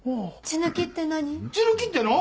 血抜きっての。